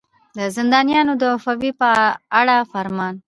د زندانیانو د عفوې په اړه فرمان.